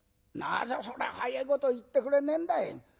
なぜそれを早えこと言ってくれねえんだい。